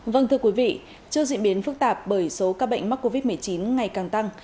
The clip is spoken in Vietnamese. vâng thưa quý vị trước diễn biến phức tạp bởi số ca bệnh mắc covid một mươi chín ngày càng tăng